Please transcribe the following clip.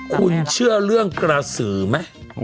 คุณเชื่อเรื่องกระสือไหม